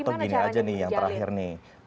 atau gini aja nih yang terakhir nih